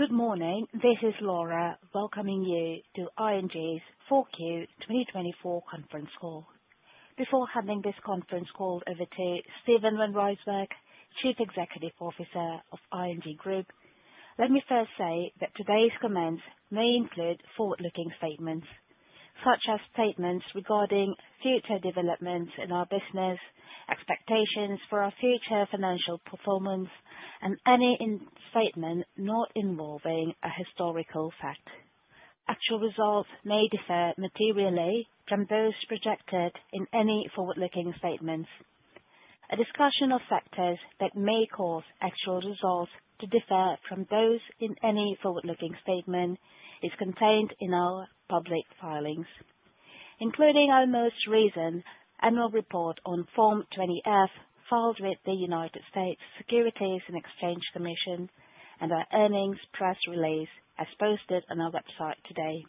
Good morning, this is Laura welcoming you to ING's 4Q 2024 Conference Call. Before handing this conference call over to Steven van Rijswijk, Chief Executive Officer of ING Group, let me first say that today's comments may include forward-looking statements, such as statements regarding future developments in our business, expectations for our future financial performance, and any statement not involving a historical fact. Actual results may differ materially from those projected in any forward-looking statements. A discussion of factors that may cause actual results to differ from those in any forward-looking statement is contained in our public filings, including our most recent annual report on Form 20-F filed with the U.S. Securities and Exchange Commission and our earnings press release, as posted on our website today.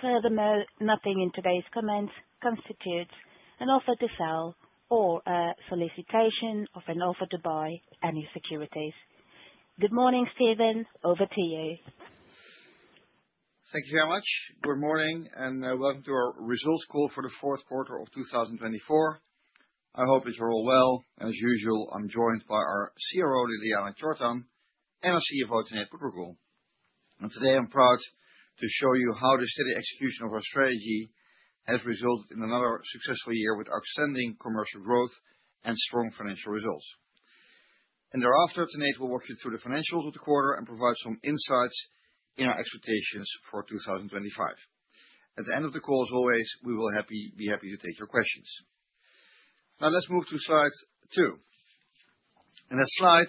Furthermore, nothing in today's comments constitutes an offer to sell or a solicitation of an offer to buy any securities. Good morning, Steven, over to you. Thank you very much. Good morning and welcome to our Results Call for the fourth quarter of 2024. I hope it's all well. As usual, I'm joined by our CRO, Ljiljana Čortan, and our CFO, Tanate Phutrakul. Today, I'm proud to show you how the steady execution of our strategy has resulted in another successful year with outstanding commercial growth and strong financial results. Thereafter, Tanate will walk you through the financials of the quarter and provide some insights in our expectations for 2025. At the end of the call, as always, we will be happy to take your questions. Now, let's move to slide two. The slide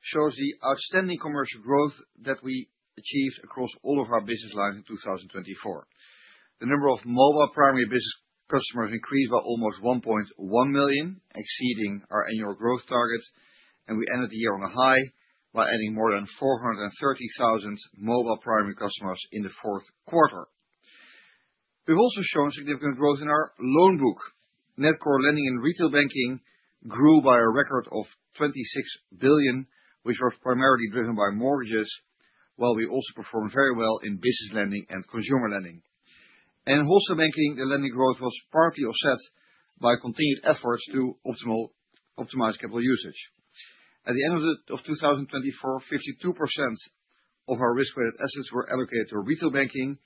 shows the outstanding commercial growth that we achieved across all of our business lines in 2024. The number of mobile primary business customers increased by almost 1.1 million, exceeding our annual growth target, and we ended the year on a high by adding more than 430,000 mobile primary customers in the fourth quarter. We've also shown significant growth in our loan book. Net core lending in Retail Banking grew by a record of 26 billion, which was primarily driven by mortgages, while we also performed very well in business lending and consumer lending. Wholesale Banking, the lending growth was partly offset by continued efforts to optimize capital usage. At the end of 2024, 52% of our risk-weighted assets were allocated to Retail Banking,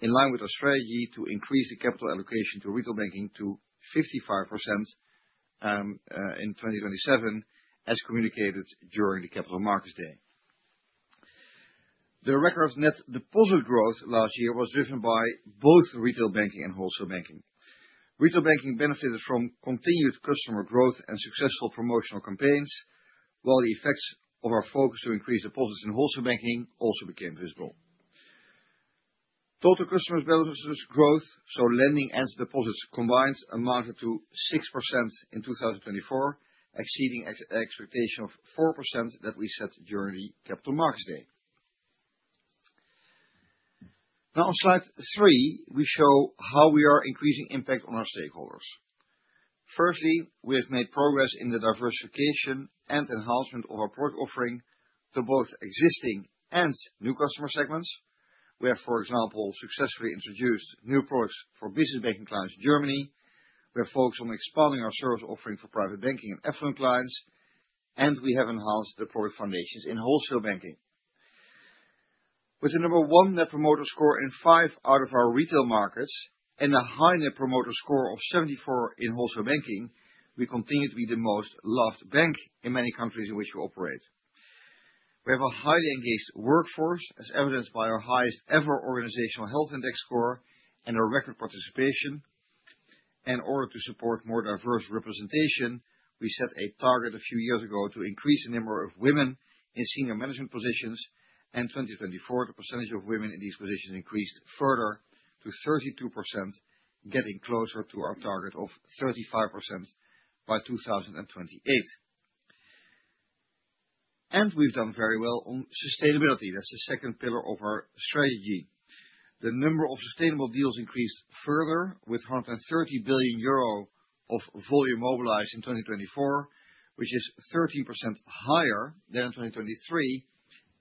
in line with our strategy to increase the capital allocation to Retail Banking to 55% in 2027, as communicated during the Capital Markets Day. The record of net deposit growth last year was driven by both Retail Banking and Wholesale Banking. Retail Banking benefited from continued customer growth and successful promotional campaigns, while the effects of our focus to increase deposits Wholesale Banking also became visible. Total customer benefits growth, so lending and deposits combined, amounted to 6% in 2024, exceeding the expectation of 4% that we set during the Capital Markets Day. Now, on slide three, we show how we are increasing impact on our stakeholders. Firstly, we have made progress in the diversification and enhancement of our product offering to both existing and new customer segments. We have, for example, successfully introduced new products for Business Banking clients in Germany. We have focused on expanding our service offering for Private Banking and Affluent clients, and we have enhanced the product foundations in Wholesale Banking. With a number one Net Promoter Score in five out of our retail markets and a high Net Promoter Score of 74 Wholesale Banking, we continue to be the most loved bank in many countries in which we operate. We have a highly engaged workforce, as evidenced by our highest ever Organizational Health Index score and our record participation. In order to support more diverse representation, we set a target a few years ago to increase the number of women in senior management positions, and in 2024, the percentage of women in these positions increased further to 32%, getting closer to our target of 35% by 2028, and we've done very well on sustainability. That's the second pillar of our strategy. The number of sustainable deals increased further, with 130 billion euro of volume mobilized in 2024, which is 13% higher than in 2023,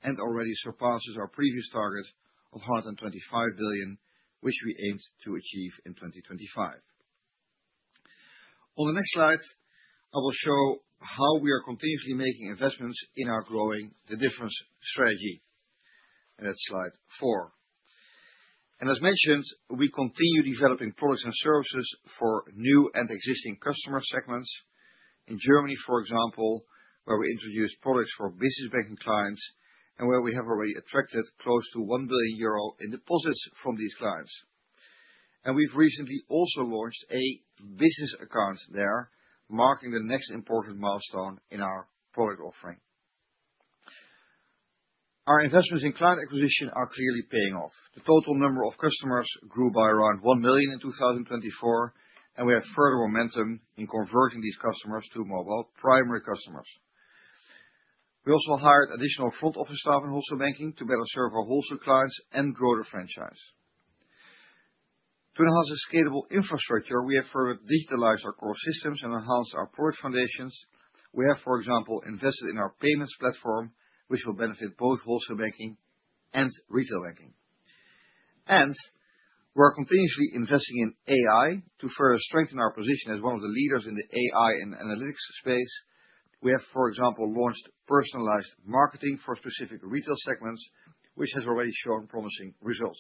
and already surpasses our previous target of 125 billion, which we aimed to achieve in 2025. On the next slide, I will show how we are continuously making investments in our Growing the Difference strategy. That's slide four. As mentioned, we continue developing products and services for new and existing customer segments. In Germany, for example, where we introduced products for Business Banking clients and where we have already attracted close to one billion euro in deposits from these clients. We've recently also launched a business account there, marking the next important milestone in our product offering. Our investments in client acquisition are clearly paying off. The total number of customers grew by around 1 million in 2024, and we have further momentum in converting these customers to mobile primary customers. We also hired additional front office staff Wholesale Banking to better serve our wholesale clients and grow the franchise. To enhance the scalable infrastructure, we have further digitalized our core systems and enhanced our product foundations. We have, for example, invested in our payments platform, which will benefit Wholesale Banking and Retail Banking. We are continuously investing in AI to further strengthen our position as one of the leaders in the AI and analytics space. We have, for example, launched personalized marketing for specific retail segments, which has already shown promising results.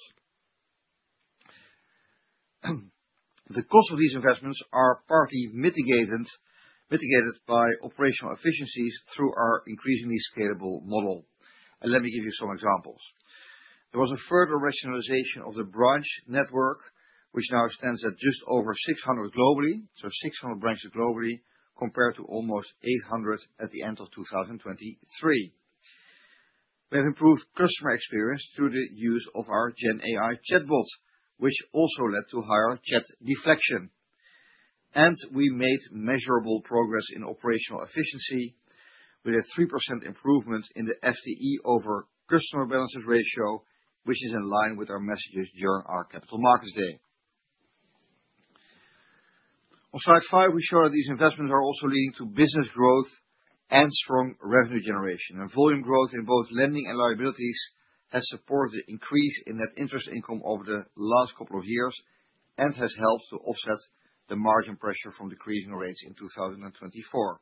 The costs of these investments are partly mitigated by operational efficiencies through our increasingly scalable model. Let me give you some examples. There was a further rationalization of the branch network, which now stands at just over 600 globally, so 600 branches globally, compared to almost 800 at the end of 2023. We have improved customer experience through the use of our Gen AI chatbot, which also led to higher chat deflection. We made measurable progress in operational efficiency. We had a 3% improvement in the FTE over customer balances ratio, which is in line with our messages during our Capital Markets Day. On slide five, we show that these investments are also leading to business growth and strong revenue generation. Volume growth in both lending and liabilities has supported the increase in net interest income over the last couple of years and has helped to offset the margin pressure from decreasing rates in 2024.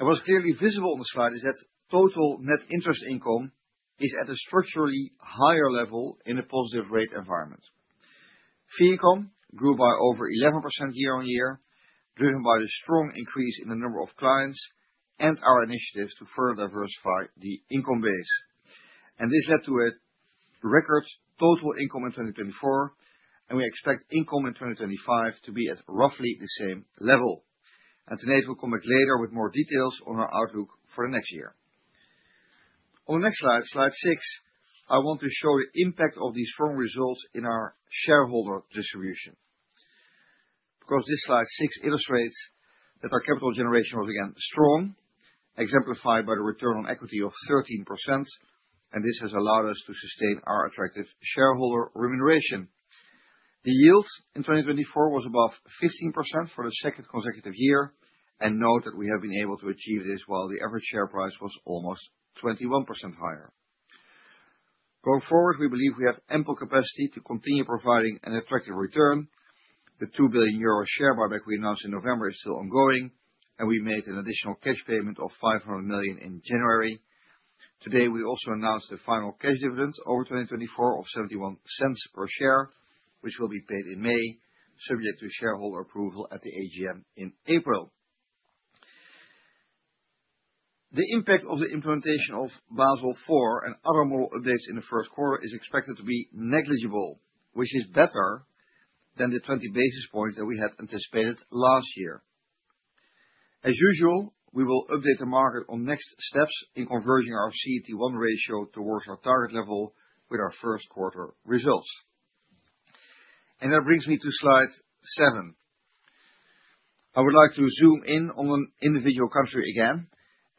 What's clearly visible on the slide is that total net interest income is at a structurally higher level in a positive rate environment. Fee income grew by over 11% year-on-year, driven by the strong increase in the number of clients and our initiatives to further diversify the income base. This led to a record total income in 2024, and we expect income in 2025 to be at roughly the same level. Tanate will come back later with more details on our outlook for the next year. On the next slide, slide six, I want to show the impact of these strong results in our shareholder distribution. This slide six illustrates that our capital generation was again strong, exemplified by the return on equity of 13%, and this has allowed us to sustain our attractive shareholder remuneration. The yield in 2024 was above 15% for the second consecutive year, and note that we have been able to achieve this while the average share price was almost 21% higher. Going forward, we believe we have ample capacity to continue providing an attractive return. The 2 billion euro share buyback we announced in November is still ongoing, and we made an additional cash payment of 500 million in January. Today, we also announced the final cash dividends over 2024 of 0.71 per share, which will be paid in May, subject to shareholder approval at the AGM in April. The impact of the implementation of Basel IV and other model updates in the first quarter is expected to be negligible, which is better than the 20 basis points that we had anticipated last year. As usual, we will update the market on next steps in converging our CET1 ratio towards our target level with our first quarter results. That brings me to slide seven. I would like to zoom in on an individual country again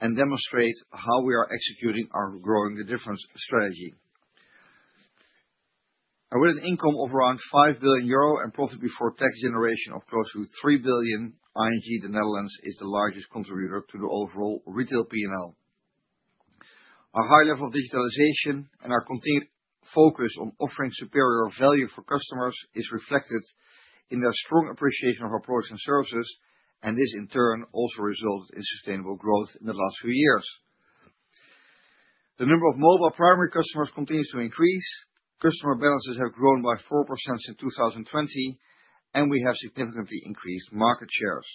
and demonstrate how we are executing our Growing the Difference strategy. With an income of around 5 billion euro and profit before tax generation of close to 3 billion, ING, the Netherlands, is the largest contributor to the overall retail P&L. Our high level of digitalization and our continued focus on offering superior value for customers is reflected in the strong appreciation of our products and services, and this, in turn, also resulted in sustainable growth in the last few years. The number of mobile primary customers continues to increase. Customer balances have grown by 4% since 2020, and we have significantly increased market shares.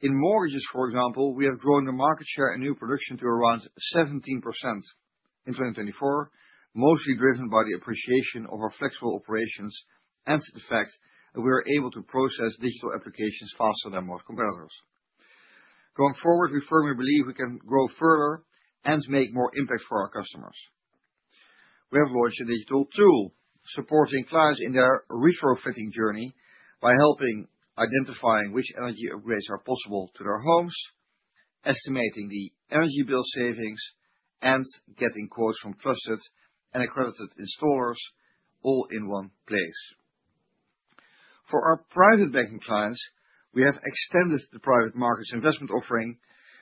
In mortgages, for example, we have grown the market share in new production to around 17% in 2024, mostly driven by the appreciation of our flexible operations and the fact that we are able to process digital applications faster than most competitors. Going forward, we firmly believe we can grow further and make more impact for our customers. We have launched a digital tool supporting clients in their retrofitting journey by helping identify which energy upgrades are possible to their homes, estimating the energy bill savings, and getting quotes from trusted and accredited installers, all in one place. For our Private Banking clients, we have extended the private markets investment offering,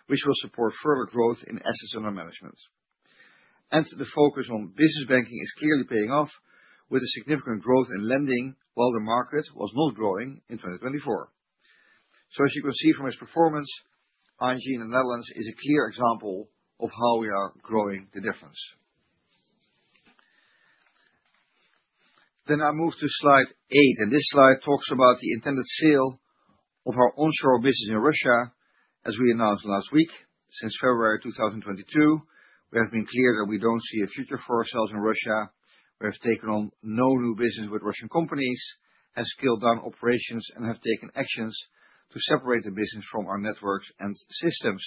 which will support further growth in assets under management. The focus on Business Banking is clearly paying off with a significant growth in lending while the market was not growing in 2024. As you can see from its performance, ING, the Netherlands, is a clear example of how we are Growing the Difference. Then I move to slide eight, and this slide talks about the intended sale of our onshore business in Russia. As we announced last week, since February 2022, we have been clear that we don't see a future for ourselves in Russia. We have taken on no new business with Russian companies, have scaled down operations, and have taken actions to separate the business from our networks and systems.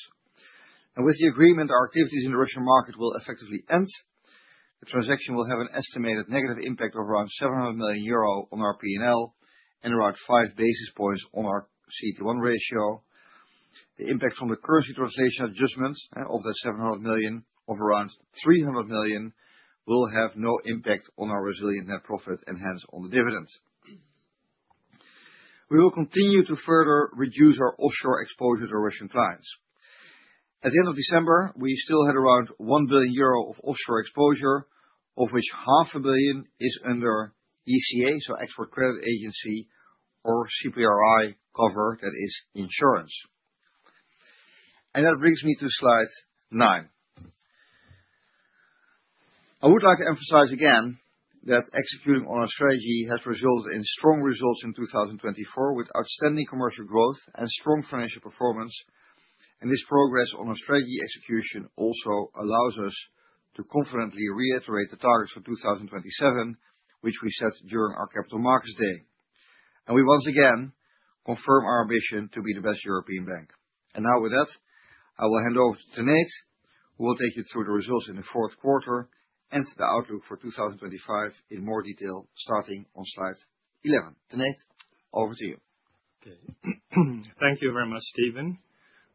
With the agreement, our activities in the Russian market will effectively end. The transaction will have an estimated negative impact of around 700 million euro on our P&L and around five basis points on our CET1 ratio. The impact from the currency translation adjustment of that 700 million of around 300 million will have no impact on our resilient net profit and hence on the dividends. We will continue to further reduce our offshore exposure to Russian clients. At the end of December, we still had around 1 billion euro of offshore exposure, of which 500 million is under ECA, so Export Credit Agency or CPRI cover, that is insurance. That brings me to slide nine. I would like to emphasize again that executing on our strategy has resulted in strong results in 2024, with outstanding commercial growth and strong financial performance. This progress on our strategy execution also allows us to confidently reiterate the targets for 2027, which we set during our Capital Markets Day. We once again confirm our ambition to be the best European bank. Now, with that, I will hand over to Tanate, who will take you through the results in the fourth quarter and the outlook for 2025 in more detail, starting on slide 11. Tanate, over to you. Thank you very much, Steven.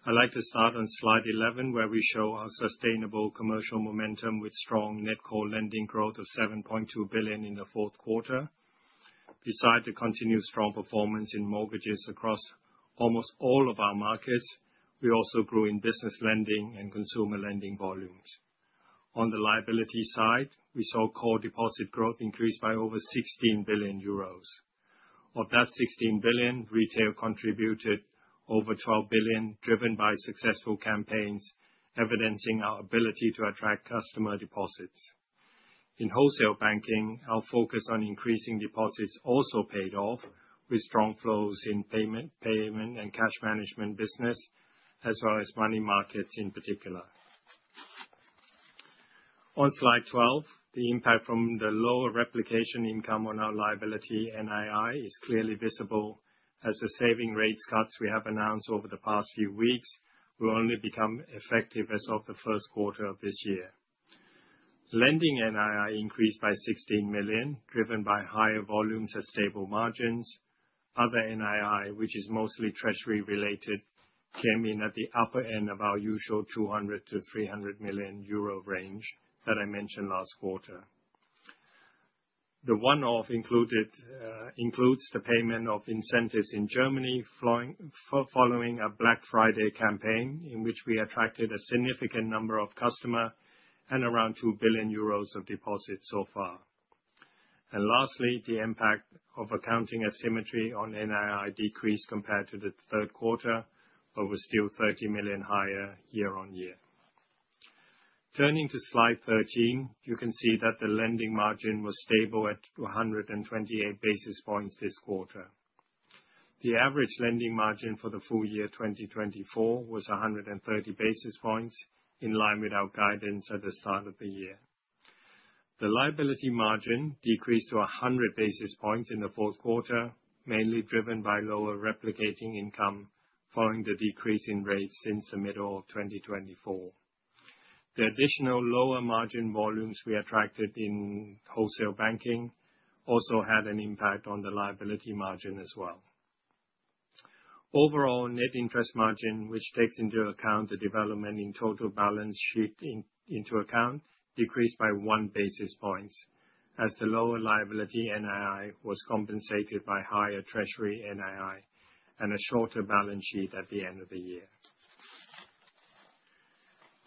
I'd like to start on slide 11, where we show our sustainable commercial momentum with strong net core lending growth of 7.2 billion in the fourth quarter. Besides the continued strong performance in mortgages across almost all of our markets, we also grew in business lending and consumer lending volumes. On the liability side, we saw core deposit growth increase by over 16 billion euros. Of that 16 billion, retail contributed over 12 billion, driven by successful campaigns evidencing our ability to attract customer deposits. Wholesale Banking, our focus on increasing deposits also paid off with strong flows in Payments and Cash Management business, as well as money markets in particular. On slide 12, the impact from the lower replication income on our liability NII is clearly visible, as the saving rate cuts we have announced over the past few weeks will only become effective as of the first quarter of this year. Lending NII increased by 16 million, driven by higher volumes at stable margins. Other NII, which is mostly treasury related, came in at the upper end of our usual 200-300 million euro range that I mentioned last quarter. The one-off includes the payment of incentives in Germany following a Black Friday campaign, in which we attracted a significant number of customers and around 2 billion euros of deposits so far. Lastly, the impact of accounting asymmetry on NII decreased compared to the third quarter, but was still 30 million higher year on year. Turning to slide 13, you can see that the lending margin was stable at 128 basis points this quarter. The average lending margin for the full year 2024 was 130 basis points, in line with our guidance at the start of the year. The liability margin decreased to 100 basis points in the fourth quarter, mainly driven by lower replicating income following the decrease in rates since the middle of 2024. The additional lower margin volumes we attracted Wholesale Banking also had an impact on the liability margin as well. Overall net interest margin, which takes into account the development in total balance sheet, decreased by one basis point, as the lower liability NII was compensated by higher treasury NII and a shorter balance sheet at the end of the year.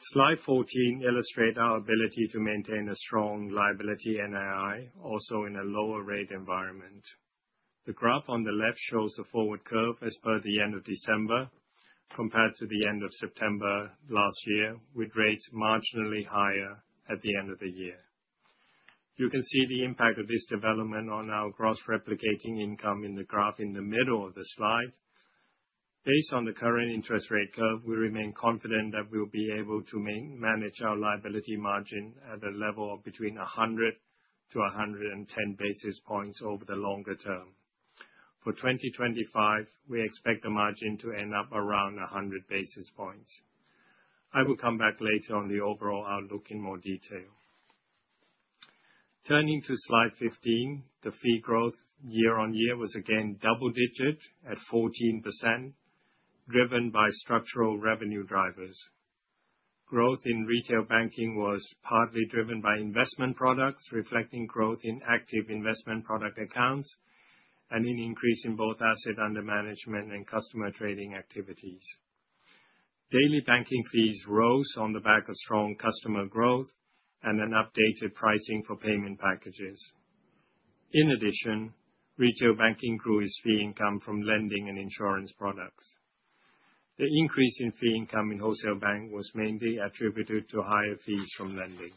Slide 14 illustrates our ability to maintain a strong liability NII also in a lower rate environment. The graph on the left shows the forward curve as per the end of December compared to the end of September last year, with rates marginally higher at the end of the year. You can see the impact of this development on our gross replicating income in the graph in the middle of the slide. Based on the current interest rate curve, we remain confident that we will be able to manage our liability margin at a level of between 100-110 basis points over the longer term. For 2025, we expect the margin to end up around 100 basis points. I will come back later on the overall outlook in more detail. Turning to slide 15, the fee growth year on year was again double-digit at 14%, driven by structural revenue drivers. Growth in Retail Banking was partly driven by investment products, reflecting growth in active investment product accounts and an increase in both assets under management and customer trading activities. Daily banking fees rose on the back of strong customer growth and an updated pricing for payment packages. In addition, Retail Banking grew its fee income from lending and insurance products. The increase in fee income in Wholesale Bank was mainly attributed to higher fees from lending.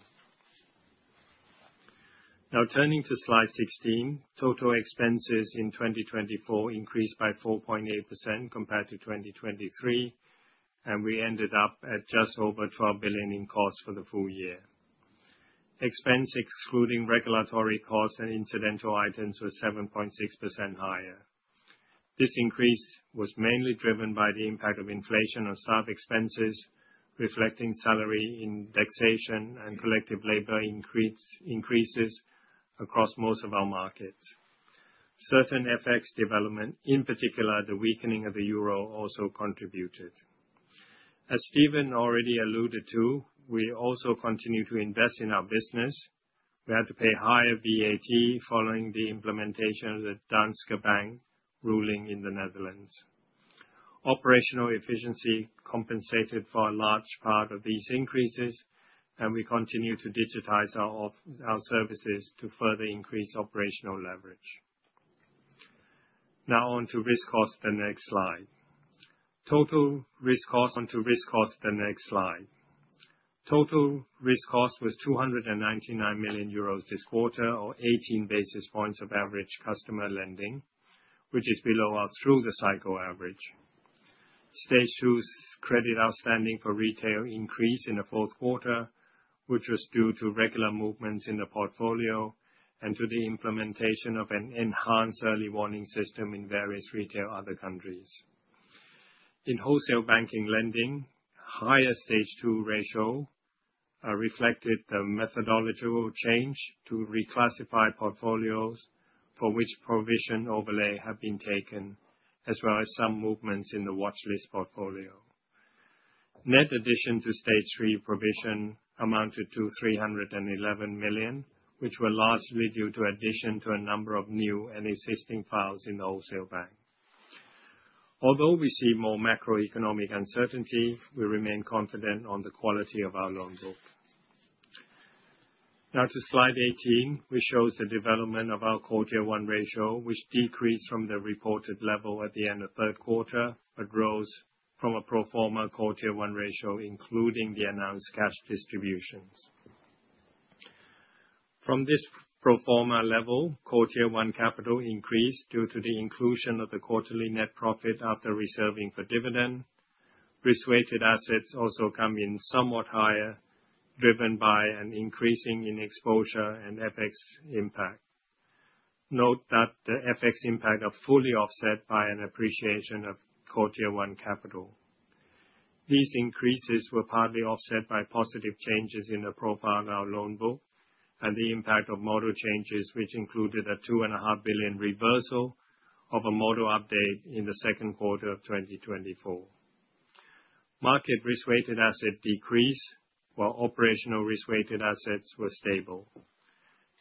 Now, turning to slide 16, total expenses in 2024 increased by 4.8% compared to 2023, and we ended up at just over 12 billion in costs for the full year. Expenses, excluding regulatory costs and incidental items, was 7.6% higher. This increase was mainly driven by the impact of inflation on staff expenses, reflecting salary indexation and collective labor increases across most of our markets. Currency development, in particular the weakening of the euro, also contributed. As Steven already alluded to, we also continue to invest in our business. We had to pay higher VAT following the implementation of the Danske Bank ruling in the Netherlands. Operational efficiency compensated for a large part of these increases, and we continue to digitize our services to further increase operational leverage. Now, on to risk cost, the next slide. Total risk cost. Total risk cost was 299 million euros this quarter, or 18 basis points of average customer lending, which is below our through-the-cycle average. Stage 2 credit outstanding for retail increased in the fourth quarter, which was due to regular movements in the portfolio and to the implementation of an enhanced early warning system in various Retail Other countries. Wholesale Banking lending, higher Stage 2 ratio reflected the methodological change to reclassify portfolios for which provision overlay had been taken, as well as some movements in the watchlist portfolio. Net addition to Stage 3 provision amounted to 311 million, which were largely due to addition to a number of new and existing files in the Wholesale Bank. Although we see more macroeconomic uncertainty, we remain confident on the quality of our loan book. Now, to slide 18, which shows the development of our CET1 ratio, which decreased from the reported level at the end of third quarter, but rose from a pro forma CET1 ratio, including the announced cash distributions. From this pro forma level, CET1 capital increased due to the inclusion of the quarterly net profit after reserving for dividend. Risk-weighted assets also come in somewhat higher, driven by an increase in exposure and FX impact. Note that the FX impact is fully offset by an appreciation of CET1 capital. These increases were partly offset by positive changes in the profile of our loan book and the impact of model changes, which included a 2.5 billion reversal of a model update in the second quarter of 2024. Market risk-weighted assets decreased, while operational risk-weighted assets were stable.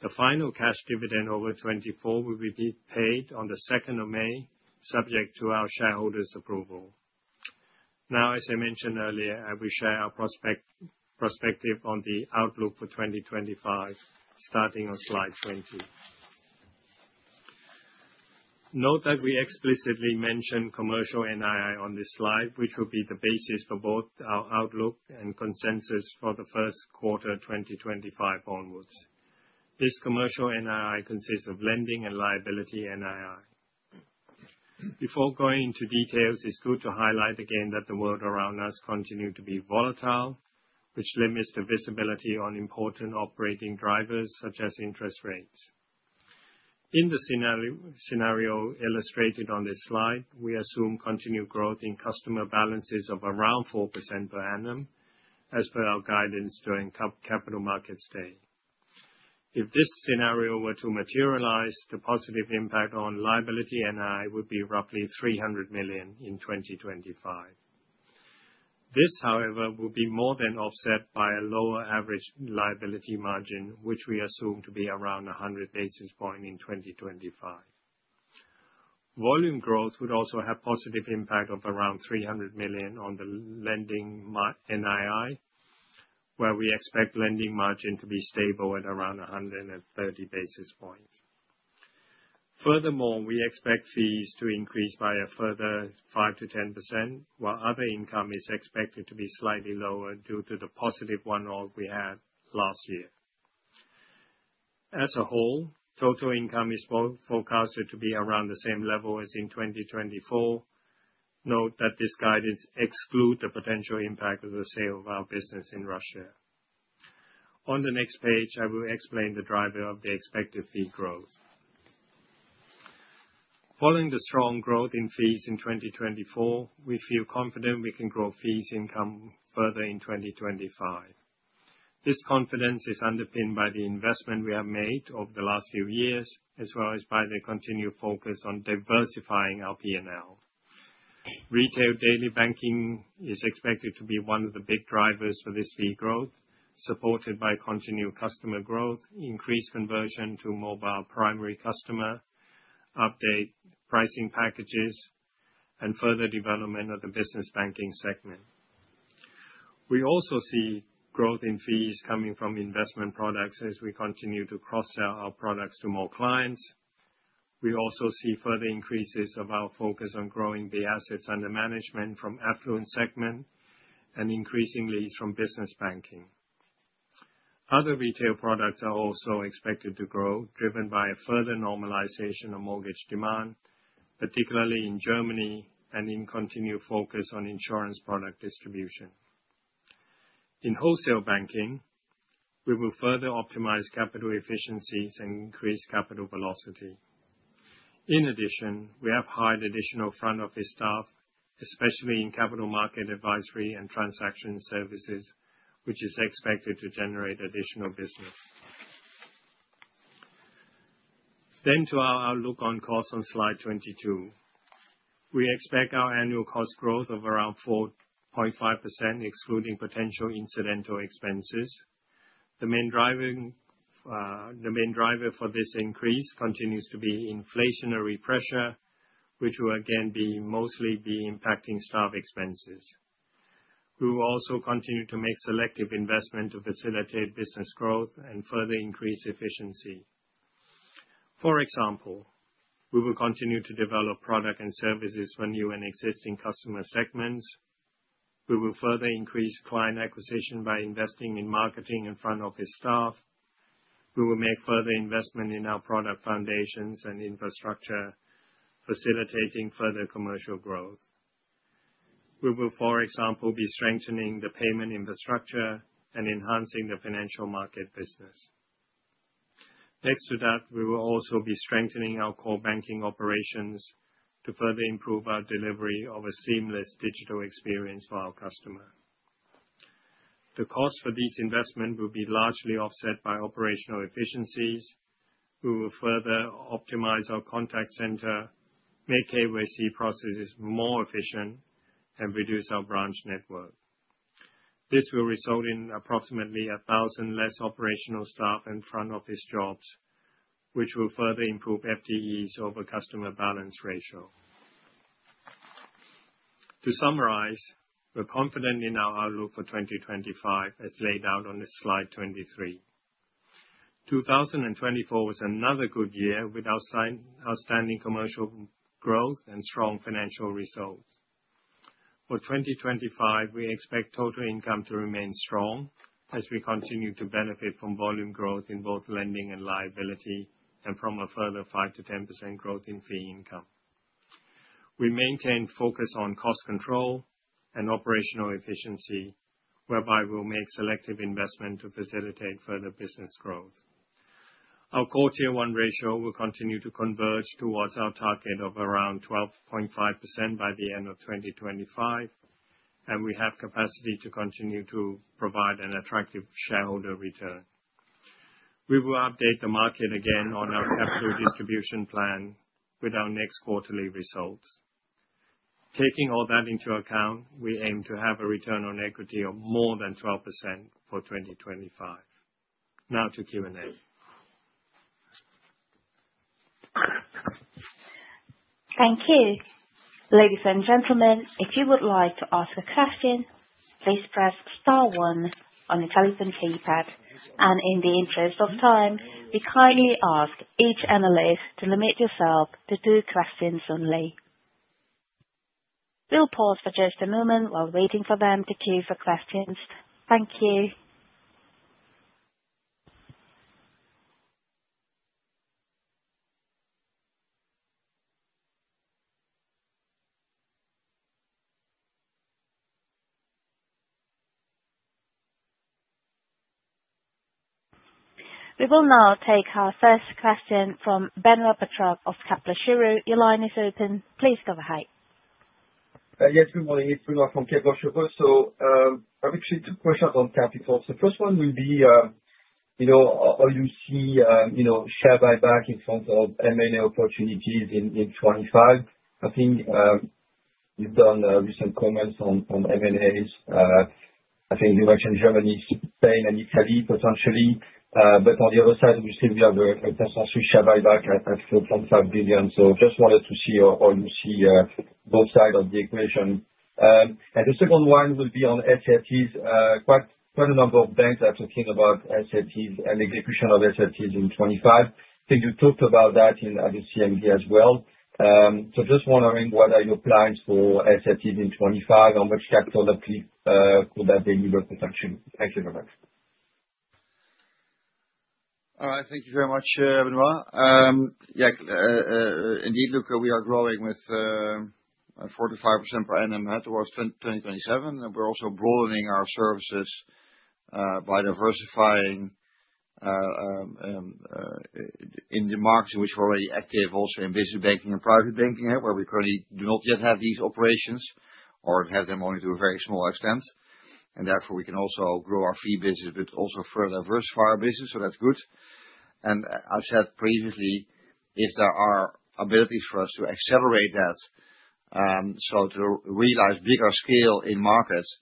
The final cash dividend for 2024 will be paid on the 2nd of May, subject to our shareholders' approval. Now, as I mentioned earlier, I will share our perspective on the outlook for 2025, starting on slide 20. Note that we explicitly mention commercial NII on this slide, which will be the basis for both our outlook and consensus for the first quarter 2025 onwards. This commercial NII consists of lending and liability NII. Before going into details, it's good to highlight again that the world around us continues to be volatile, which limits the visibility on important operating drivers, such as interest rates. In the scenario illustrated on this slide, we assume continued growth in customer balances of around 4% per annum, as per our guidance during Capital Markets Day. If this scenario were to materialize, the positive impact on liability NII would be roughly 300 million in 2025. This, however, will be more than offset by a lower average liability margin, which we assume to be around 100 basis points in 2025. Volume growth would also have a positive impact of around 300 million on the lending NII, where we expect lending margin to be stable at around 130 basis points. Furthermore, we expect fees to increase by a further 5%-10%, while other income is expected to be slightly lower due to the positive one-off we had last year. As a whole, total income is forecasted to be around the same level as in 2024. Note that this guidance excludes the potential impact of the sale of our business in Russia. On the next page, I will explain the driver of the expected fee growth. Following the strong growth in fees in 2024, we feel confident we can grow fees income further in 2025. This confidence is underpinned by the investment we have made over the last few years, as well as by the continued focus on diversifying our P&L. Retail Daily Banking is expected to be one of the big drivers for this fee growth, supported by continued customer growth, increased conversion to mobile primary customer uptake, pricing packages, and further development of the Business Banking segment. We also see growth in fees coming from investment products as we continue to cross-sell our products to more clients. We also see further increases of our focus on growing the assets under management from the affluent segment and increasingly from Business Banking. Other retail products are also expected to grow, driven by a further normalization of mortgage demand, particularly in Germany and in continued focus on insurance product distribution. Wholesale Banking, we will further optimize capital efficiencies and increase capital velocity. In addition, we have hired additional front office staff, especially in capital market advisory and Transaction Services, which is expected to generate additional business, then to our outlook on costs on slide 22, we expect our annual cost growth of around 4.5%, excluding potential incidental expenses. The main driver for this increase continues to be inflationary pressure, which will again be mostly impacting staff expenses. We will also continue to make selective investment to facilitate business growth and further increase efficiency. For example, we will continue to develop product and services for new and existing customer segments. We will further increase client acquisition by investing in marketing and front office staff. We will make further investment in our product foundations and infrastructure, facilitating further commercial growth. We will, for example, be strengthening the payment infrastructure and enhancing the Financial Markets business. Next to that, we will also be strengthening our core banking operations to further improve our delivery of a seamless digital experience for our customers. The cost for these investments will be largely offset by operational efficiencies. We will further optimize our contact center, make KYC processes more efficient, and reduce our branch network. This will result in approximately 1,000 less operational staff and front office jobs, which will further improve FTEs over customer balance ratio. To summarize, we're confident in our outlook for 2025, as laid out on slide 23. 2024 was another good year with outstanding commercial growth and strong financial results. For 2025, we expect total income to remain strong as we continue to benefit from volume growth in both lending and liability and from a further 5%-10% growth in fee income. We maintain focus on cost control and operational efficiency, whereby we will make selective investment to facilitate further business growth. Our CET1 ratio will continue to converge towards our target of around 12.5% by the end of 2025, and we have capacity to continue to provide an attractive shareholder return. We will update the market again on our capital distribution plan with our next quarterly results. Taking all that into account, we aim to have a return on equity of more than 12% for 2025. Now to Q&A. Thank you. Ladies and gentlemen, if you would like to ask a question, please press star one on the telephone keypad, and in the interest of time, we kindly ask each analyst to limit yourself to two questions only. We'll pause for just a moment while waiting for them to queue for questions. Thank you. We will now take our first question from Benoît Pétrarque of Kepler Cheuvreux. Your line is open. Please go ahead. Yes, good morning. It's Benoît Pétrarque from Kepler Cheuvreux. I'm actually two questions on capital. First one will be, you know, are you seeing share buyback in front of M&A opportunities in 2025? I think you've done recent comments on M&As. I think you mentioned Germany, Spain, and Italy potentially. But on the other side, obviously, we have a consolidation share buyback at 4.5 billion. Just wanted to see how you see both sides of the equation. And the second one will be on SRTs. Quite a number of banks are talking about SRTs and execution of SRTs in 2025. I think you talked about that at the CMD as well. Just wondering, what are your plans for SRTs in 2025? How much capital could that deliver potentially? Thank you very much. All right. Thank you very much, Benoît. Yeah, indeed, Look, uh, we are growing with 4%-5% per annum towards 2027. We're also broadening our services, diversifying in the markets in which we're already active, also in Business Banking and Private Banking, where we currently do not yet have these operations or have them only to a very small extent. Therefore, we can also grow our fee business, but also further diversify our business. That's good. I've said previously, if there are abilities for us to accelerate that, so to realize bigger scale in markets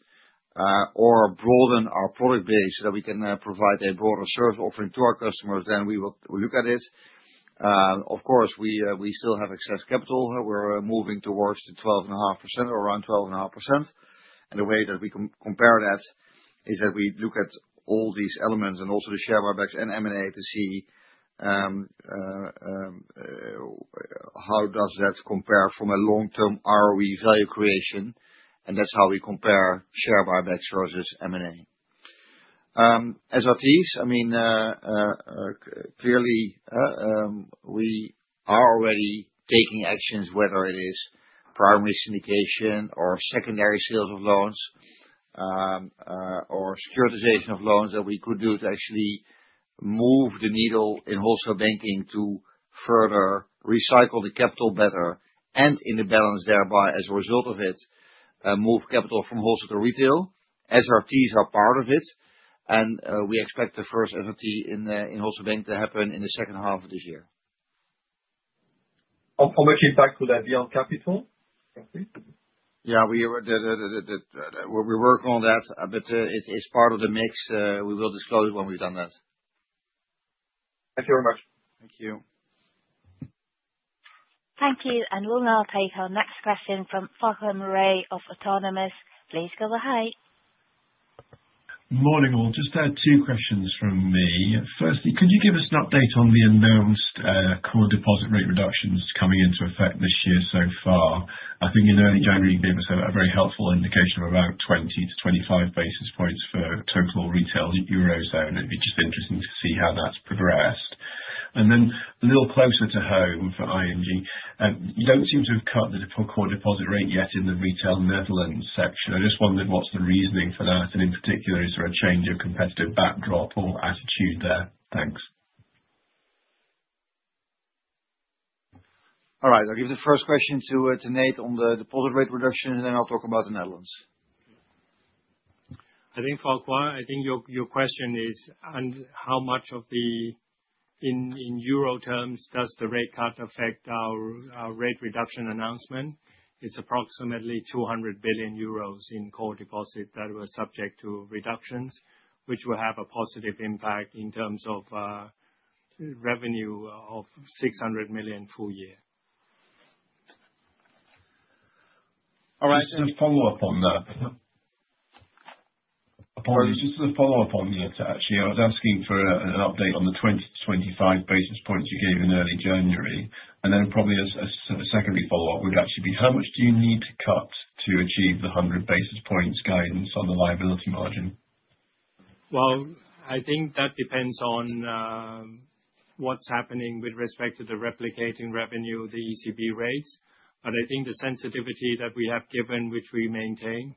or broaden our product base so that we can provide a broader service offering to our customers, then we will look at it. Of course, we still have excess capital. We're moving towards the 12.5% or around 12.5%. And the way that we compare that is that we look at all these elements and also the share buybacks and M&A to see how does that compare from a long-term ROE value creation. And that's how we compare share buyback versus M&A. As for these, I mean, clearly, we are already taking actions, whether it is primary syndication or secondary sales of loans or securitization of loans that we could do to actually move the needle Wholesale Banking to further recycle the capital better and in the balance thereby, as a result of it, move capital from wholesale to retail. SRTs are part of it. And we expect the first SRT Wholesale Bank to happen in the second half of this year. How much impact would that be on capital? Yeah, we work on that, but it's part of the mix. We will disclose when we've done that. Thank you very much. Thank you. Thank you. And we'll now take our next question from Farquhar Murray of Autonomous Research. Please go ahead. Morning all. Just two questions from me. Firstly, could you give us an update on the announced core deposit rate reductions coming into effect this year so far? I think in early January, you gave us a very helpful indication of about 20-25 basis points for total retail Eurozone. It'd be just interesting to see how that's progressed. And then a little closer to home for ING, you don't seem to have cut the core deposit rate yet in the retail Netherlands section. I just wondered, what's the reasoning for that? And in particular, is there a change of competitive backdrop or attitude there? Thanks. All right. I'll give the first question to Nate on the deposit rate reduction, and then I'll talk about the Netherlands. I think, Farquhar, I think your question is, how much of the in euro terms does the rate cut affect our rate reduction announcement? It's approximately 200 billion euros in core deposit that were subject to reductions, which will have a positive impact in terms of revenue of 600 million full year. All right. Any follow-up on that? Just a follow-up on that, actually. I was asking for an update on the 20-25 basis points you gave in early January. And then probably a secondary follow-up would actually be, how much do you need to cut to achieve the 100 basis points guidance on the liability margin? Well, I think that depends on what's happening with respect to the replicating revenue, the ECB rates. But I think the sensitivity that we have given, which we maintain,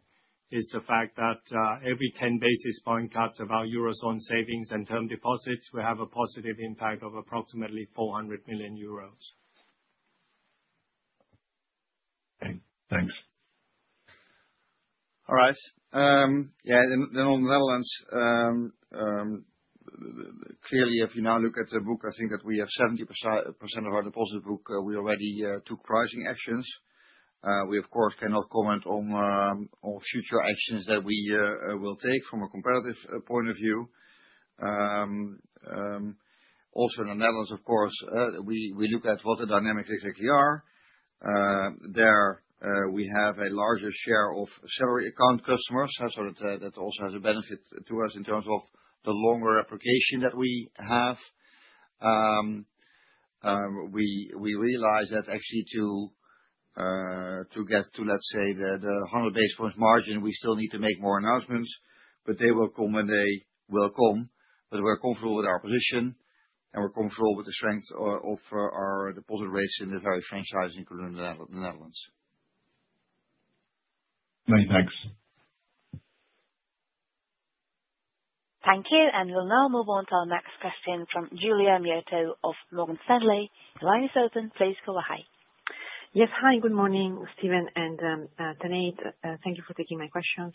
is the fact that every 10 basis point cuts of our Eurozone savings and term deposits, we have a positive impact of approximately 400 million euros. Thanks. All right. Yeah. Then on the Netherlands, clearly, if you now look at the book, I think that we have 70% of our deposit book, we already took pricing actions. We, of course, cannot comment on future actions that we will take from a competitive point of view. Also, in the Netherlands, of course, we look at what the dynamics exactly are. There, we have a larger share of salary account customers. So that also has a benefit to us in terms of the longer application that we have. We realize that actually to get to, let's say, the 100 basis points margin, we still need to make more announcements, but they will come when they will come. But we're comfortable with our position, and we're comfortable with the strength of our deposit rates in the very franchise in the Netherlands. Thanks. Thank you. And we'll now move on to our next question from Giulia Miotto of Morgan Stanley. The line is open. Please go ahead. Yes. Hi. Good morning, Steven and Tanate. Thank you for taking my questions.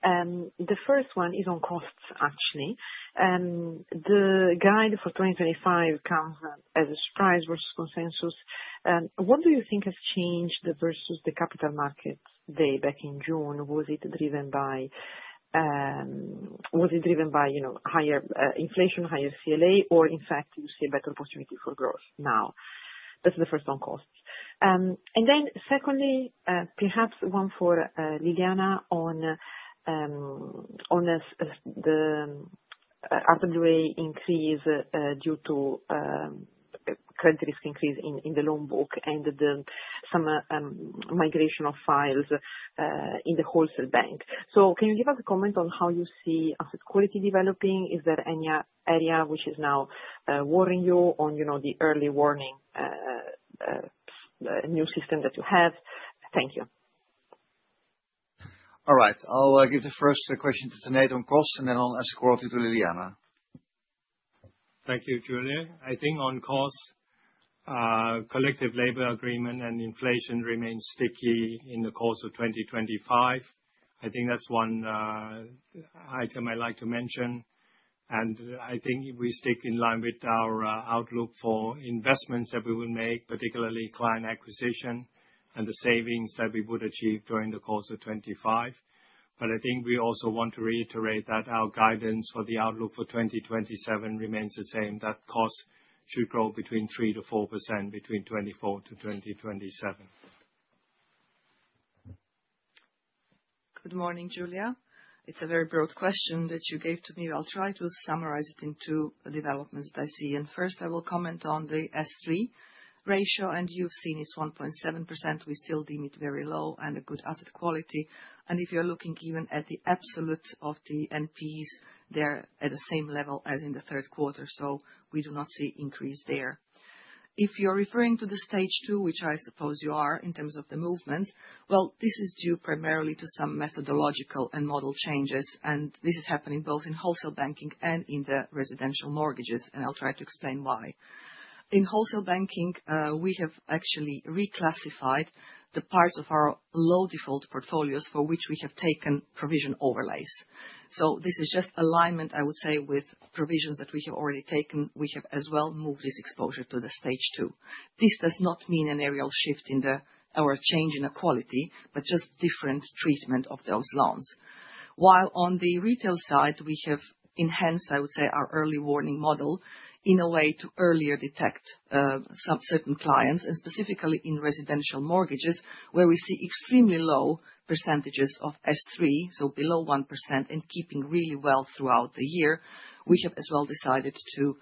The first one is on costs, actually. The guide for 2025 comes as a surprise versus consensus. What do you think has changed versus the Capital Markets Day back in June? Was it driven by higher inflation, higher CLA, or in fact, do you see a better opportunity for growth now? That's the first on costs. And then secondly, perhaps one for Ljiljana on the RWA increase due to current risk increase in the loan book and some migration of files in the Wholesale Bank. So can you give us a comment on how you see asset quality developing? Is there any area which is now warning you on the early warning new system that you have? Thank you. All right. I'll give the first question to Tanate on costs, and then I'll ask Ljiljana. Thank you, Giulia. I think on costs, collective labor agreement and inflation remain sticky in the course of 2025. I think that's one item I'd like to mention. And I think we stick in line with our outlook for investments that we will make, particularly client acquisition and the savings that we would achieve during the course of 25. But I think we also want to reiterate that our guidance for the outlook for 2027 remains the same, that costs should grow between 3%-4% between 2024-2027. Good morning, Julia. It's a very broad question that you gave to me. I'll try to summarize it into the developments that I see. First, I will comment on the Stage 3 ratio. You've seen it's 1.7%. We still deem it very low and a good asset quality. If you're looking even at the absolute of the NPLs, they're at the same level as in the third quarter. So we do not see increase there. If you're referring to Stage 2, which I suppose you are in terms of the movement, this is due primarily to some methodological and model changes. This is happening both Wholesale Bank and in the residential mortgages. I'll try to explain why. Wholesale Banking, we have actually reclassified the parts of our low-default portfolios for which we have taken provision overlays. So this is just alignment, I would say, with provisions that we have already taken. We have as well moved this exposure to the Stage 2. This does not mean a material shift in our change in quality, but just different treatment of those loans. While on the retail side, we have enhanced, I would say, our early warning model in a way to earlier detect some certain clients, and specifically in residential mortgages, where we see extremely low percentages of S3, so below 1% and keeping really well throughout the year, we have as well decided to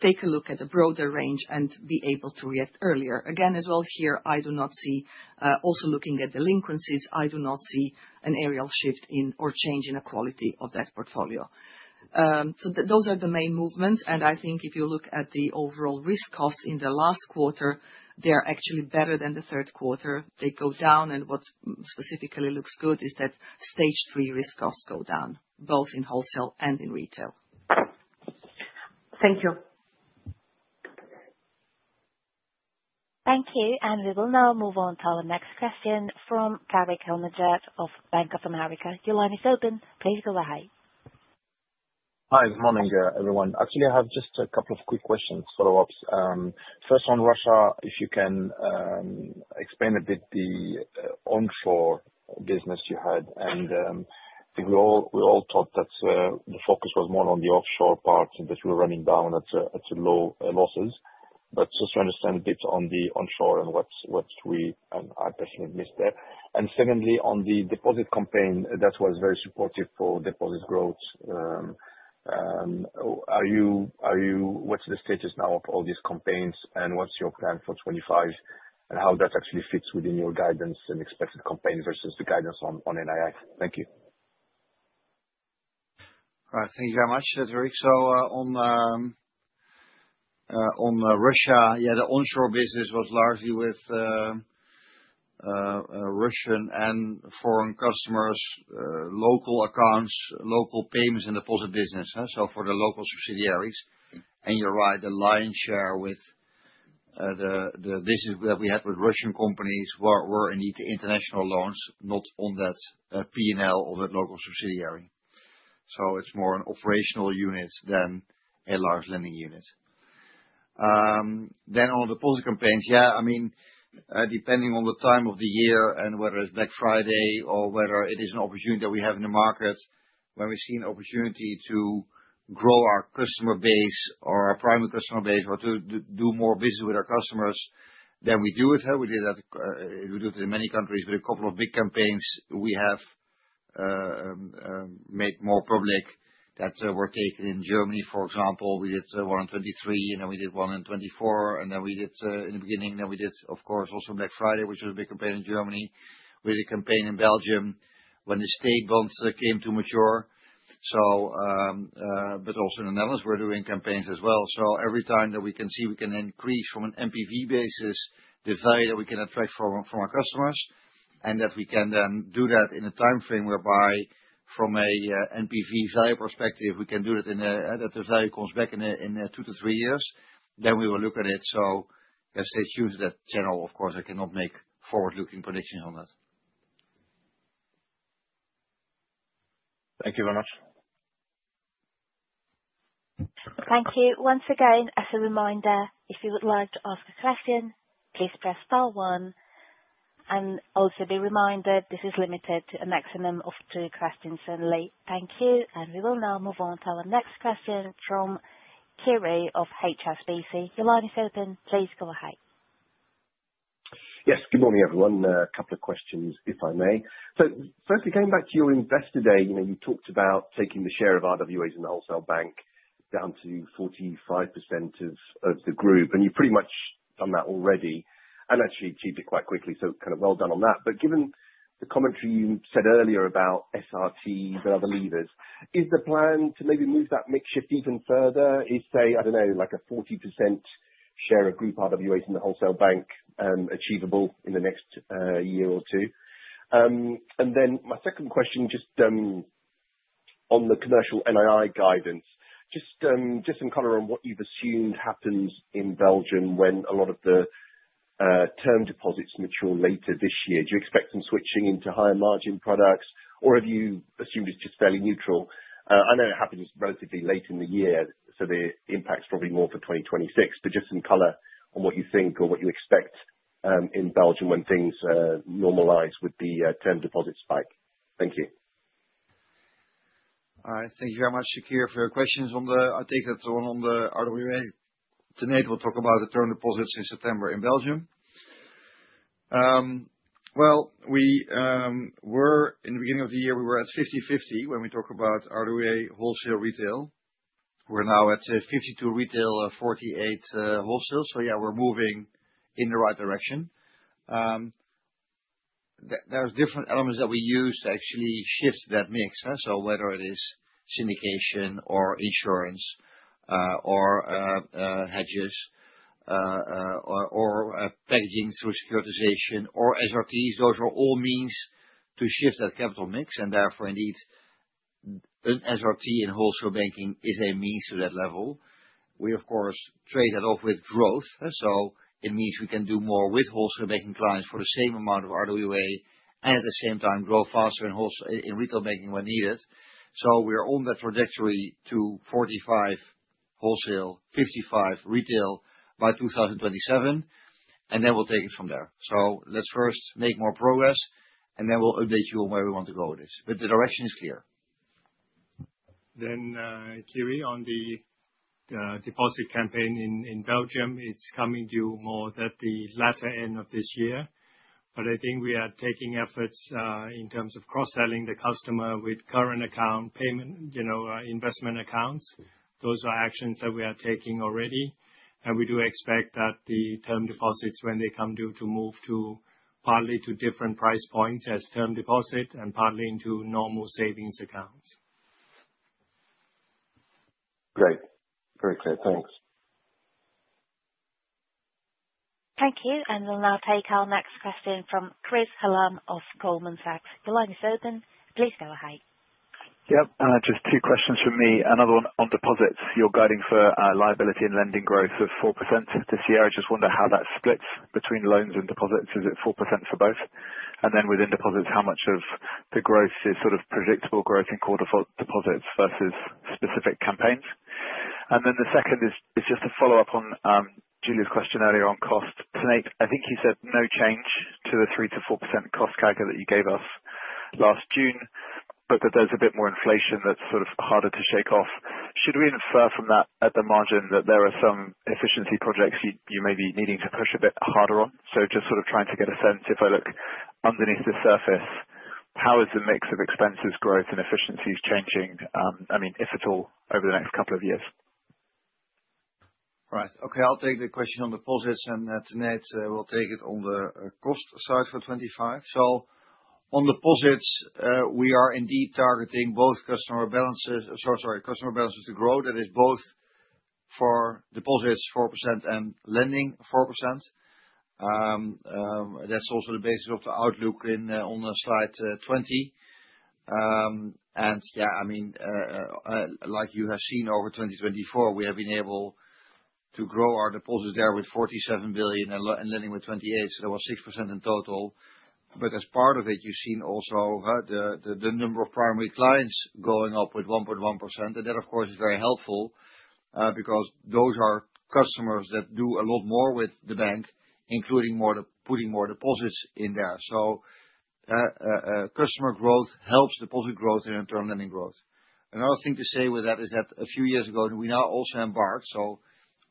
take a look at a broader range and be able to react earlier. Again, as well here, I do not see, also looking at delinquencies, I do not see a material shift in or change in the quality of that portfolio. So those are the main movements. And I think if you look at the overall risk costs in the last quarter, they are actually better than the third quarter. They go down. And what specifically looks good is that Stage 3 risk costs go down, both in wholesale and in retail. Thank you. Thank you. And we will now move on to our next question from Tarik El Mejjad of Bank of America. Your line is open. Please go ahead. Hi. Good morning, everyone. Actually, I have just a couple of quick questions, follow-ups. First, on Russia, if you can explain a bit the onshore business you had. We all thought that the focus was more on the offshore part and that we were running down at low losses. But just to understand a bit on the onshore and what we. And I definitely missed that. And secondly, on the deposit campaign, that was very supportive for deposit growth. What's the status now of all these campaigns? And what's your plan for 2025? And how that actually fits within your guidance and expected campaign versus the guidance on NII? Thank you. All right. Thank you very much, Tarik. So on Russia, yeah, the onshore business was largely with Russian and foreign customers, local accounts, local payments and deposit business, so for the local subsidiaries. And you're right, the lion's share with the business that we had with Russian companies were indeed the international loans, not on that P&L of that local subsidiary. So it's more an operational unit than a large lending unit. Then on the deposit campaigns, yeah, I mean, depending on the time of the year and whether it's Black Friday or whether it is an opportunity that we have in the market, when we see an opportunity to grow our customer base or our primary customer base or to do more business with our customers, then we do it. We did that. We do it in many countries. With a couple of big campaigns, we have made more public that were taken in Germany, for example. We did one in 2023, and then we did one in 2024. And then we did in the beginning, then we did, of course, also Black Friday, which was a big campaign in Germany. We did a campaign in Belgium when the state bonds came to mature. But also in the Netherlands, we're doing campaigns as well. So every time that we can see, we can increase from an NPV basis the value that we can attract from our customers, and that we can then do that in a timeframe whereby from an NPV value perspective, we can do that in that the value comes back in two to three years, then we will look at it. So stay tuned to that channel. Of course, I cannot make forward-looking predictions on that. Thank you very much. Thank you. Once again, as a reminder, if you would like to ask a question, please press star one, and also be reminded, this is limited to a maximum of two questions only. Thank you, and we will now move on to our next question from Kiri Vijayarajah of HSBC. Your line is open. Please go ahead. Yes. Good morning, everyone. A couple of questions, if I may. So firstly, going back to your investor day, you talked about taking the share of RWAs in the wholesale bank down to 45% of the group. And you've pretty much done that already and actually achieved it quite quickly. So kind of well done on that. But given the commentary you said earlier about SRTs and other levers, is the plan to maybe move that mix a bit deeper and further? Is, say, I don't know, like a 40% share of group RWAs in the wholesale bank achievable in the next year or two? And then my second question, just on the commercial NII guidance, just in color on what you've assumed happens in Belgium when a lot of the term deposits mature later this year. Do you expect some switching into higher margin products, or have you assumed it's just fairly neutral? I know it happens relatively late in the year, so the impact's probably more for 2026. But just in color on what you think or what you expect in Belgium when things normalize with the term deposit spike. Thank you. All right. Thank you very much, Kiri, for your questions. I think that's the one on the RWA. Tanate will talk about the term deposits in September in Belgium. In the beginning of the year, we were at 50-50 when we talk about RWA wholesale retail. We're now at 52 retail, 48 wholesale. So yeah, we're moving in the right direction. There's different elements that we use to actually shift that mix. So whether it is syndication or insurance or hedges or packaging through securitization or SRTs, those are all means to shift that capital mix. Therefore, indeed, an SRT Wholesale Banking is a means to that level. We, of course, trade that off with growth. So it means we can do more Wholesale Banking clients for the same amount of RWA and at the same time grow faster in Retail Banking when needed. So we're on that trajectory to 45% wholesale, 55% retail by 2027, and then we'll take it from there. So let's first make more progress, and then we'll update you on where we want to go with this. But the direction is clear. Then, Kiri, on the deposit campaign in Belgium, it's coming due more at the latter end of this year. But I think we are taking efforts in terms of cross-selling the customer with current account, payment, investment accounts. Those are actions that we are taking already. We do expect that the term deposits, when they come due, to move partly to different price points as term deposits and partly into normal savings accounts. Great. Very clear. Thanks. Thank you. We'll now take our next question from Chris Hallam of Goldman Sachs. Your line is open. Please go ahead. Yep. Just two questions from me. Another one on deposits. You're guiding for liability and lending growth of 4% this year. I just wonder how that splits between loans and deposits. Is it 4% for both? And then within deposits, how much of the growth is sort of predictable growth in quarter for deposits versus specific campaigns? And then the second is just to follow up on Giulia's question earlier on cost. Tanate, I think you said no change to the 3%-4% cost calculation that you gave us last June, but that there's a bit more inflation that's sort of harder to shake off. Should we infer from that at the margin that there are some efficiency projects you may be needing to push a bit harder on? So just sort of trying to get a sense, if I look underneath the surface, how is the mix of expenses, growth, and efficiencies changing, I mean, if at all, over the next couple of years? Right. Okay. I'll take the question on deposits, and Tanate will take it on the cost side for 2025. So on deposits, we are indeed targeting customer balances to grow. That is both for deposits, 4%, and lending, 4%. That's also the basis of the outlook on slide 20. Yeah, I mean, like you have seen over 2024, we have been able to grow our deposits there with 47 billion and lending with 28 billion. There was 6% in total. As part of it, you've seen also the number of primary clients going up with 1.1%. That, of course, is very helpful because those are customers that do a lot more with the bank, including putting more deposits in there. Customer growth helps deposit growth and internal lending growth. Another thing to say with that is that a few years ago, we now also embarked.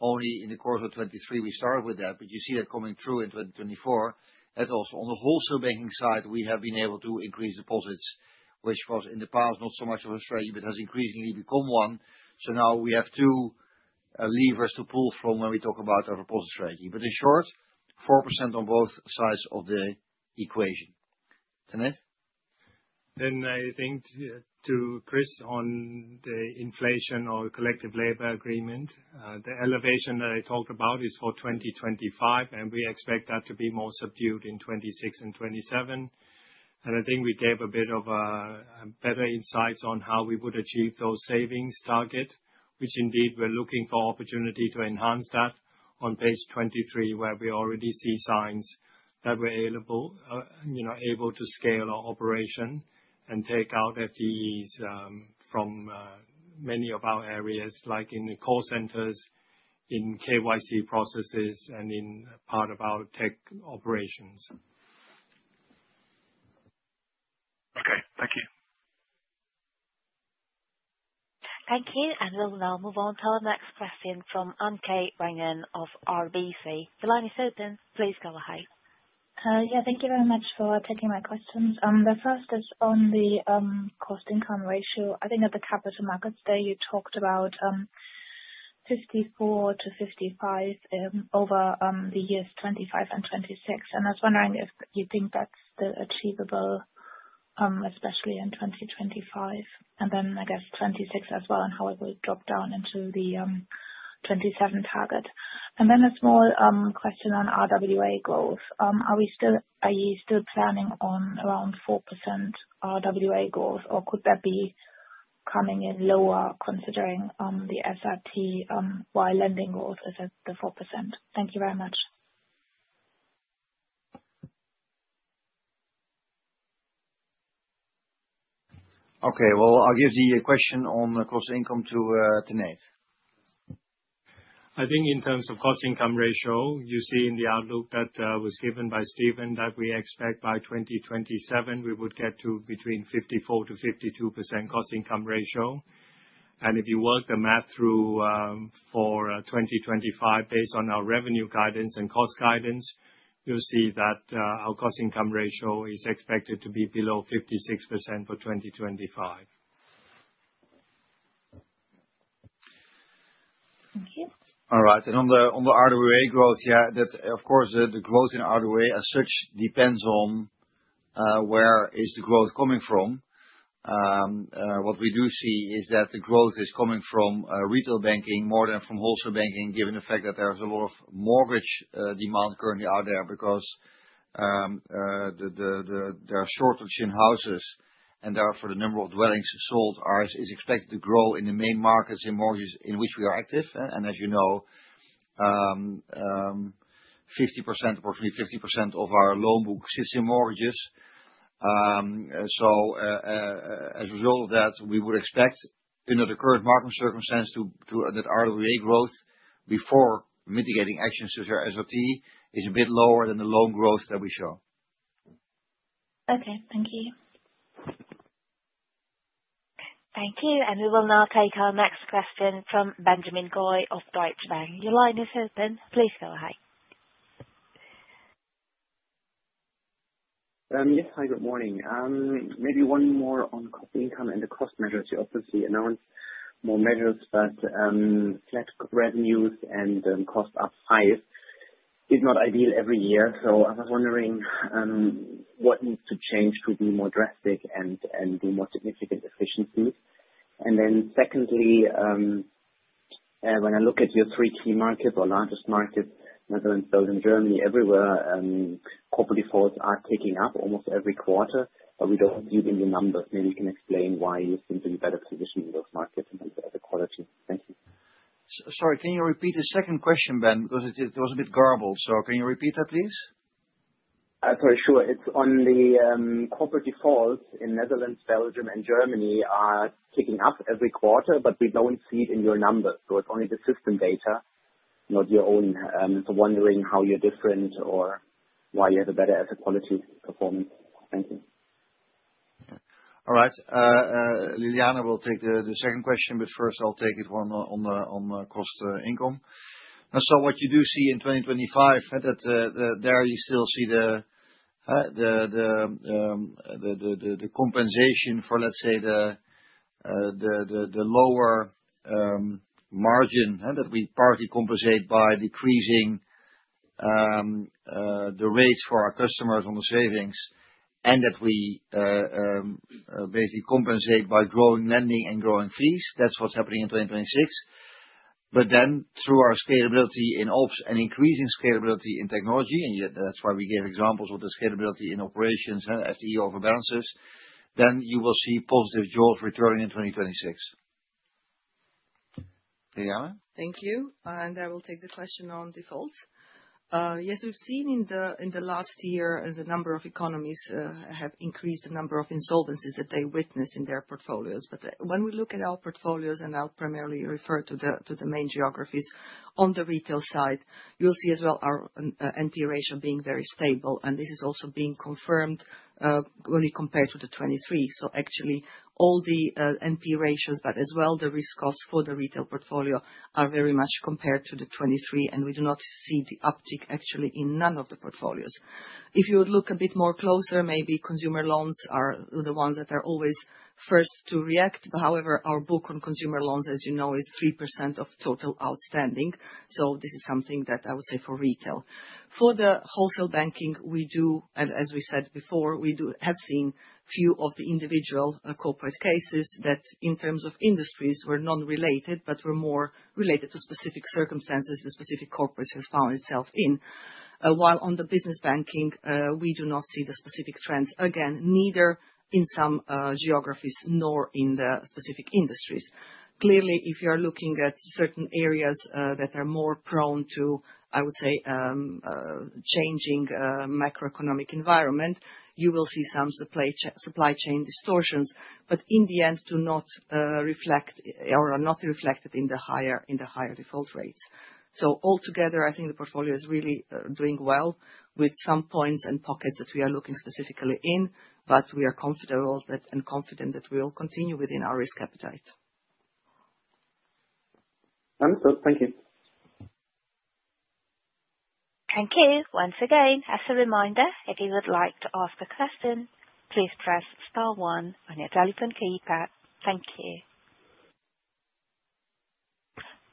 Only in the course of 2023, we started with that. You see that coming true in 2024. That also on Wholesale Banking side, we have been able to increase deposits, which was in the past not so much of a strategy, but has increasingly become one. So now we have two levers to pull from when we talk about our deposit strategy. But in short, 4% on both sides of the equation. Tanate? Then I think to Chris on the inflation or collective labor agreement, the elevation that I talked about is for 2025, and we expect that to be more subdued in 2026 and 2027. And I think we gave a bit of better insights on how we would achieve those savings target, which indeed we're looking for opportunity to enhance that on page 23, where we already see signs that we're able to scale our operation and take out FTEs from many of our areas, like in the call centers, in KYC processes, and in part of our tech operations. Okay. Thank you. Thank you. And we'll now move on to our next question from Anke Reingen of RBC. The line is open. Please go ahead. Yeah. Thank you very much for taking my questions. The first is on the cost-income ratio. I think at the Capital Markets Day, you talked about 54%-55% over the years 2025 and 2026. And I was wondering if you think that's achievable, especially in 2025, and then I guess 2026 as well, and how it will drop down into the 2027 target. And then a small question on RWA growth. Are you still planning on around 4% RWA growth, or could that be coming in lower considering the SRT while lending growth is at the 4%? Thank you very much. Okay. Well, I'll give the question on the cost-income to Tanate. I think in terms of cost-income ratio, you see in the outlook that was given by Steven that we expect by 2027, we would get to between 54%-52% cost-income ratio. And if you work the math through for 2025, based on our revenue guidance and cost guidance, you'll see that our cost-income ratio is expected to be below 56% for 2025. Thank you. All right. And on the RWA growth, yeah, of course, the growth in RWA as such depends on where is the growth coming from. What we do see is that the growth is coming from Retail Banking more than Wholesale Banking, given the fact that there's a lot of mortgage demand currently out there because there's a shortage in houses. And therefore, the number of dwellings sold is expected to grow in the main markets in mortgages in which we are active. And as you know, approximately 50% of our loan book sits in mortgages. So as a result of that, we would expect under the current market circumstance that RWA growth before mitigating actions to their SRT is a bit lower than the loan growth that we show. Okay. Thank you. Thank you. And we will now take our next question from Benjamin Goy of Deutsche Bank. Your line is open. Please go ahead. Yes. Hi, good morning. Maybe one more on cost-income and the cost measures. You obviously announced more measures, but flat revenues and cost up high is not ideal every year. So I was wondering what needs to change to be more drastic and do more significant efficiencies. And then secondly, when I look at your three key markets, our largest market, Netherlands followed in Germany, everywhere, corporate defaults are ticking up almost every quarter, but we don't see it in the numbers. Maybe you can explain why you seem to be better positioned in those markets in terms of quality. Thank you. Sorry. Can you repeat the second question, Ben? Because it was a bit garbled. So can you repeat that, please? Sorry. Sure. It's on the corporate defaults in Netherlands, Belgium, and Germany are taking up every quarter, but we don't see it in your numbers. So it's only the system data, not your own. So wondering how you're different or why you have a better quality performance. Thank you. All right. Ljiljana will take the second question, but first, I'll take it one on cost-income. So what you do see in 2025, there you still see the compensation for, let's say, the lower margin that we partly compensate by decreasing the rates for our customers on the savings and that we basically compensate by growing lending and growing fees. That's what's happening in 2026. But then through our scalability in ops and increasing scalability in technology, and that's why we gave examples of the scalability in operations, FTE over balances, then you will see positive jaws returning in 2026. Ljiljana? Thank you. And I will take the question on defaults. Yes, we've seen in the last year as a number of economies have increased the number of insolvencies that they witness in their portfolios. But when we look at our portfolios, and I'll primarily refer to the main geographies, on the retail side, you'll see as well our NP ratio being very stable. And this is also being confirmed when we compare to the 2023. Actually, all the NP ratios, but as well the risk cost for the retail portfolio, are very much compared to the 2023, and we do not see the uptick actually in none of the portfolios. If you would look a bit more closer, maybe consumer loans are the ones that are always first to react. But however, our book on consumer loans, as you know, is 3% of total outstanding. This is something that I would say for retail. For Wholesale Banking, we do, as we said before, we have seen a few of the individual corporate cases that in terms of industries were non-related, but were more related to specific circumstances the specific corporate has found itself in. While on the Business Banking, we do not see the specific trends, again, neither in some geographies nor in the specific industries. Clearly, if you are looking at certain areas that are more prone to, I would say, changing macroeconomic environment, you will see some supply chain distortions, but in the end, do not reflect or are not reflected in the higher default rates. So altogether, I think the portfolio is really doing well with some points and pockets that we are looking specifically in, but we are confident that we will continue within our risk appetite. Thank you. Thank you. Once again, as a reminder, if you would like to ask a question, please press star one on your telephone keypad. Thank you.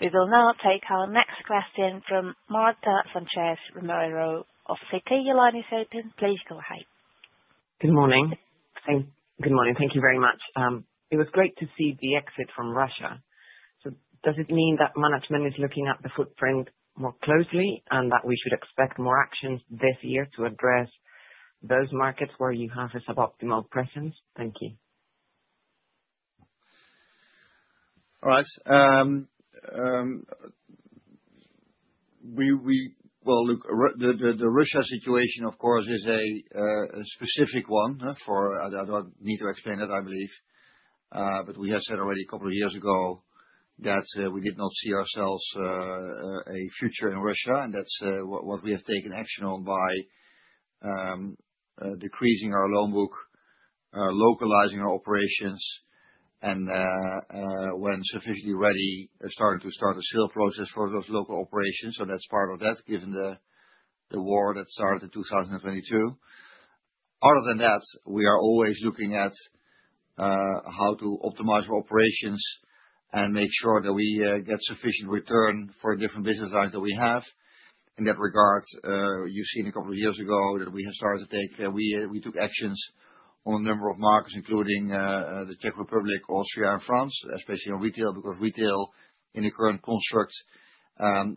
We will now take our next question from Marta Sánchez Romero of Citi. Your line is open. Please go ahead. Good morning. Good morning. Thank you very much. It was great to see the exit from Russia. Does it mean that management is looking at the footprint more closely and that we should expect more actions this year to address those markets where you have a suboptimal presence? Thank you. All right. Look, the Russia situation, of course, is a specific one. I don't need to explain it, I believe. But we have said already a couple of years ago that we did not see ourselves a future in Russia, and that's what we have taken action on by decreasing our loan book, localizing our operations, and when sufficiently ready, starting a sale process for those local operations. That's part of that, given the war that started in 2022. Other than that, we are always looking at how to optimize our operations and make sure that we get sufficient return for different business lines that we have. In that regard, you've seen a couple of years ago that we took actions on a number of markets, including the Czech Republic, Austria, and France, especially on retail, because retail in the current construct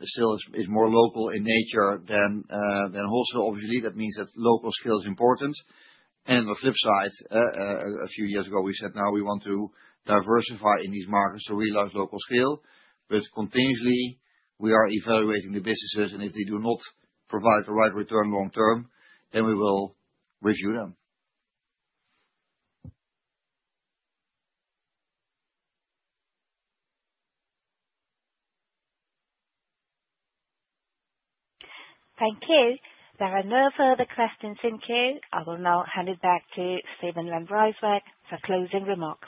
still is more local in nature than wholesale. Obviously, that means that local scale is important, and on the flip side, a few years ago, we said, "Now, we want to diversify in these markets to realize local scale," but continuously, we are evaluating the businesses, and if they do not provide the right return long-term, then we will review them. Thank you. There are no further questions in queue. I will now hand it back to Steven van Rijswijk for closing remarks.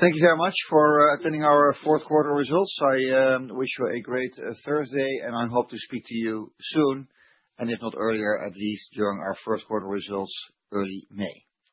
Thank you very much for attending our fourth quarter results. I wish you a great Thursday, and I hope to speak to you soon, and if not earlier, at least during our first quarter results early May.